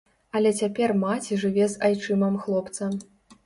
Але цяпер маці жыве з айчымам хлопца.